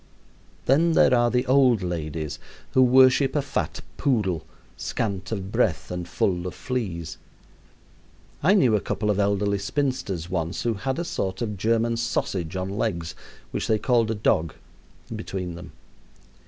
Then there are the old ladies who worship a fat poodle, scant of breath and full of fleas. I knew a couple of elderly spinsters once who had a sort of German sausage on legs which they called a dog between them.